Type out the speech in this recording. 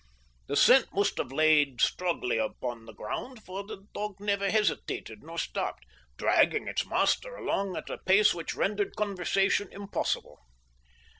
The scent must have lain strongly upon the ground, for the dog never hesitated nor stopped, dragging its master along at a pace which rendered conversation impossible.